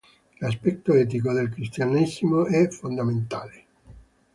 L'aspetto etico del Cristianesimo è fondamentale!